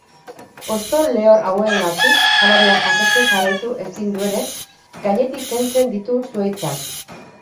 Hosto lehor hauengatik janaria jasotzen jarraitu ezin duenez, gainetik kentzen ditu zuhaitzak.